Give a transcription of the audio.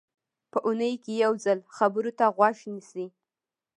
په اوونۍ کې یو ځل خبرو ته غوږ نیسي.